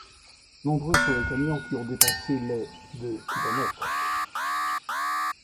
Nombreux sont les camions qui ont dépassé les de kilomètres.